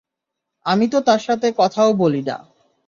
আমি তো তার সাথে কথাও বলি না।